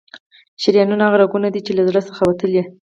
شریانونه هغه رګونه دي چې له زړه څخه وتلي.